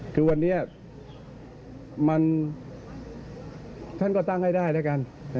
คือวันนี้ท่านก็ตั้งให้ได้แล้วกัน